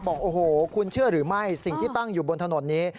บอกโอ้โหคุณเชื่อหรือไม่สิ่งที่ตั้งอยู่บนถนนนี้